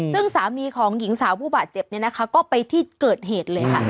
ซึ่งสามีของหญิงสาวผู้บาดเจ็บเนี่ยนะคะก็ไปที่เกิดเหตุเลยค่ะ